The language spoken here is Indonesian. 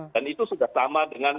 dan itu sudah sama dengan